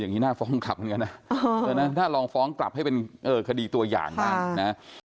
อย่างนี้น่าฟ้องกลับเหมือนกันนะถ้าลองฟ้องกลับให้เป็นคดีตัวอย่างบ้างนะ